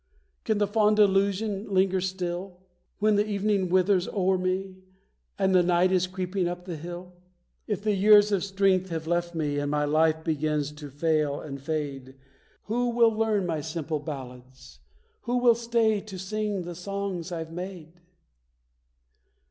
Can the fond delusion linger still, When the Evening withers o'er me, and the night is creeping up the hill? If the years of strength have left me, and my life begins to fail and fade, Who will learn my simple ballads; who will stay to sing the songs I've made?